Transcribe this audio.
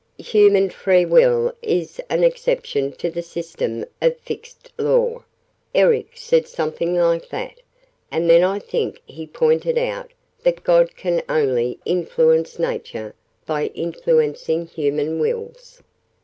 "Human Free Will is an exception to the system of fixed Law. Eric said something like that. And then I think he pointed out that God can only influence Nature by influencing Human Wills.